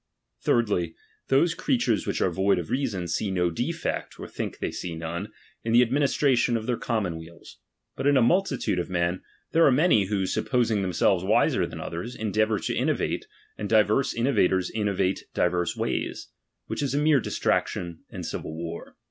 Thirdly, those creatures which are void of rea son, see no defect, or think they see none, in the administration of their commonweals ; but iu a multitude of men there are many who, supposing themseh'es wiser than others, endeavour to innovate, and divers in novators innovate divers ways ; which is a mere distraction and civil war.